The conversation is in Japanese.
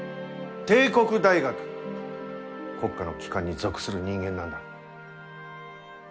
帝国大学国家の機関に属する人間なんだ。